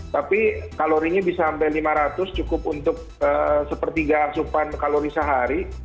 tapi kalorinya bisa sampai lima ratus cukup untuk sepertiga asupan kalori sehari